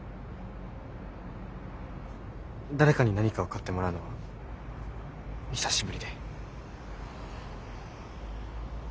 誰かに何かを買ってもらうのは久しぶりで。